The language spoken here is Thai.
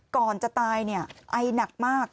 ก่อนจะตายเนี่ยไอหนักมาก